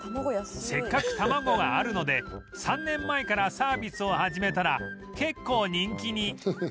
せっかく卵があるので３年前からサービスを始めたら結構人気に